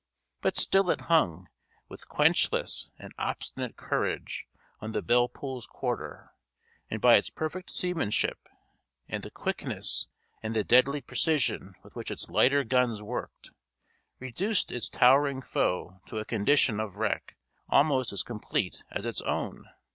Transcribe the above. But still it hung, with quenchless and obstinate courage, on the Belle Poule's quarter, and by its perfect seamanship and the quickness and the deadly precision with which its lighter guns worked, reduced its towering foe to a condition of wreck almost as complete as its own.